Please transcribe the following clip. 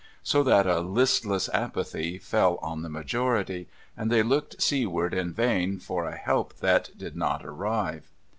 So that a listless apathy fell on the majority, and they looked seaward in vain for a help that did not arrive.